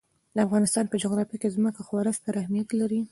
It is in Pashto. د افغانستان په جغرافیه کې ځمکه خورا ستر اهمیت لري.